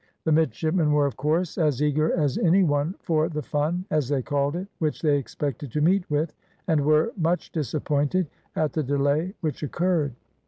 The midshipmen were, of course, as eager as any one for the fun, as they called it, which they expected to meet with, and were much disappointed at the delay which occurred.